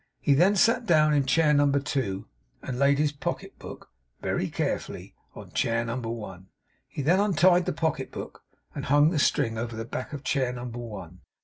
He then sat down in chair number two, and laid his pocket book, very carefully, on chair number one. He then untied the pocket book, and hung the string over the back of chair number one.